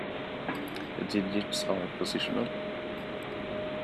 The digits are positional.